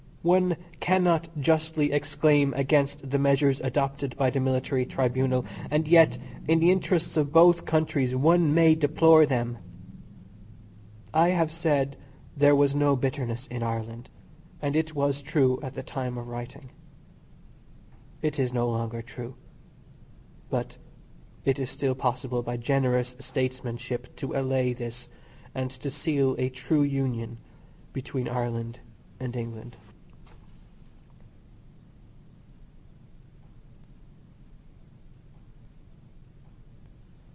One cannot justly exclaim against the measures adopted by the military tribunal, and yet, in the interests of both countries one may deplore them. I have said there was no bitterness in Ireland, and it was true at the time of writing. It is no longer true; but it is still possible by generous Statesmanship to allay this, and to seal a true union between Ireland and England.